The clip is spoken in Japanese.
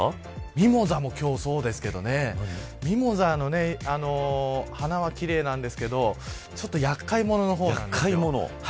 ミモザもそうですけどミモザの花は奇麗なんですけど厄介者の方なんです。